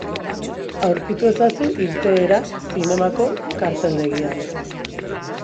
Aurkitu ezazu irteera zinemako karteldegian.